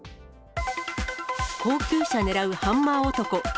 高級車狙うハンマー男。